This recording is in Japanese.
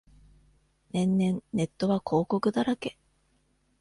年々ネットは広告だらけ